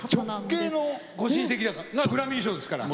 直系のご親戚がグラミー賞ですから。